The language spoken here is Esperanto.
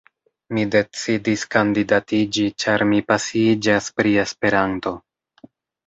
Mi decidis kandidatiĝi ĉar mi pasiiĝas pri Esperanto.